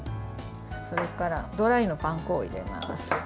それからドライのパン粉を入れます。